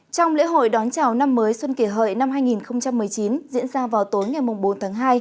trong lễ hội đón chào năm mới xuân kỷ hợi năm hai nghìn một mươi chín diễn ra vào tối ngày bốn tháng hai